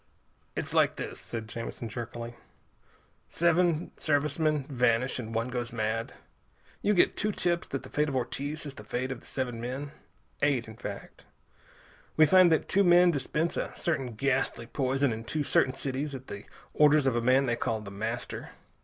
"It's like this," said Jamison jerkily. "Seven Service men vanish and one goes mad. You get two tips that the fate of Ortiz is the fate of the seven men eight, in fact. We find that two men dispense a certain ghastly poison in two certain cities, at the orders of a man they call The Master.